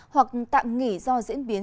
hoặc tạm nghỉ do diễn biến